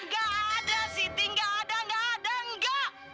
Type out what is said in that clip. gak ada siti gak ada gak ada enggak